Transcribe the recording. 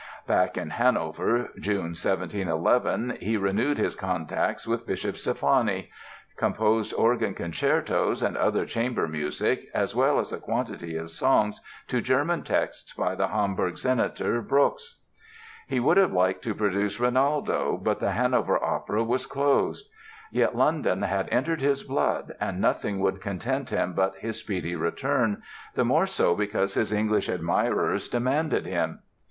Back in Hanover June, 1711, he renewed his contacts with Bishop Steffani, composed organ concertos and other chamber music, as well as a quantity of songs to German texts by the Hamburg Senator, Brockes. He would have liked to produce "Rinaldo" but the Hanover Opera was closed. Yet London had entered his blood and nothing would content him but his speedy return, the more so because his English admirers demanded him.